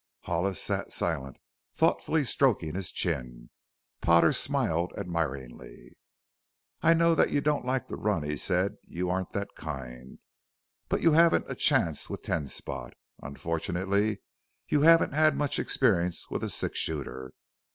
Hollis sat silent, thoughtfully stroking his chin. Potter smiled admiringly. "I know that you don't like to run," he said; "you aren't that kind. But you haven't a chance with Ten Spot unfortunately you haven't had much experience with a six shooter."